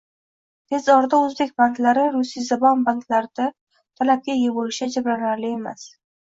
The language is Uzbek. Tez orada o'zbek banklari rusiyzabon banklarda talabga ega bo'lishi ajablanarli emas